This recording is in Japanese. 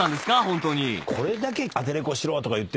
ホントに。